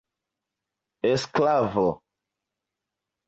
sklavo